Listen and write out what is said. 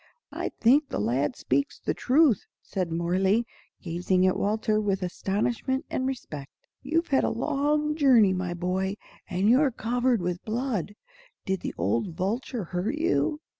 "I think the lad speaks the truth," said Mohrle, gazing at Walter with astonishment and respect. "You've had a long journey, my boy, and you're covered with blood. Did the old vulture hurt you?"